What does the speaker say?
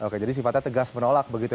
oke jadi sifatnya tegas menolak begitu